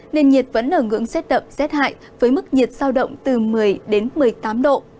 nền nhiệt vẫn ở ngưỡng rét đậm rét hại với mức nhiệt sao động từ một mươi đến một mươi tám độ